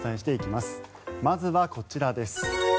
まずはこちらです。